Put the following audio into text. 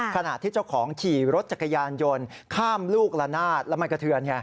ขณะที่เจ้าของขี่รถจักรยานยนต์ข้ามลูกละนาดแล้วมันกระเทือนไง